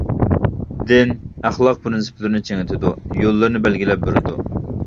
دىن ئەخلاق پىرىنسىپلىرىنى چىڭىتىدۇ، يوللىرىنى بەلگىلەپ بېرىدۇ.